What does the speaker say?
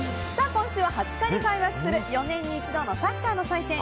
今週は２０日に開幕する４年に一度のサッカーの祭典